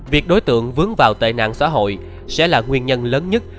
việc đối tượng vướng vào tệ nạn xã hội sẽ là nguyên nhân lớn nhất